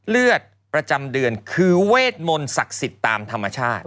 ประจำเดือนคือเวทมนต์ศักดิ์สิทธิ์ตามธรรมชาติ